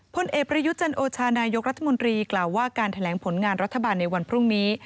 พลเอกประยุจันโอชานายกรัฐมนตรีกล่าวว่าการแถลงผลงานรัฐบาลในวันพรุ่งนี้